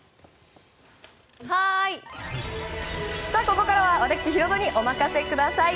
はーい、ここからはヒロドにお任せください！